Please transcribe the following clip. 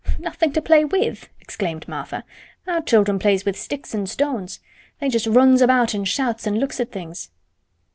"Nothin' to play with!" exclaimed Martha. "Our children plays with sticks and stones. They just runs about an' shouts an' looks at things."